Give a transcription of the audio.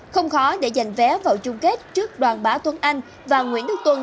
không khó để giành vé vào chung kết trước đoàn bá tuấn anh và nguyễn đức tuân